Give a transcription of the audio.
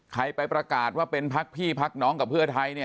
ไปประกาศว่าเป็นพักพี่พักน้องกับเพื่อไทยเนี่ย